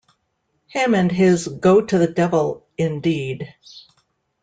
Him and his "go to the devil" indeed!